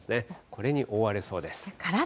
これに覆われそうです。